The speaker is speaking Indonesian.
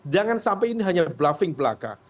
jangan sampai ini hanya bluffing belaka